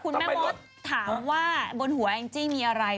แม่มดถามว่าบนหัวแองจี้มีอะไร